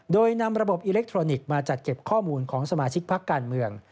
โดยนำระบบอิเล็กทรอนิกส์มาจัดเก็บข้อมูลของสมาชิกพักการเมือง